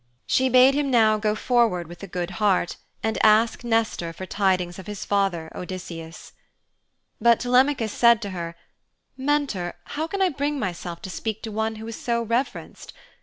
She bade him now go forward with a good heart and ask Nestor for tidings of his father, Odysseus. But Telemachus said to her, 'Mentor, how can I bring myself to speak to one who is so reverenced?